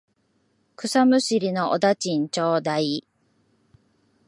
草むしりのお駄賃ちょうだい。